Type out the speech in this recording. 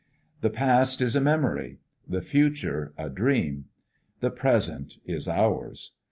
The Past is a memory; the Future a dream; the Present is ours.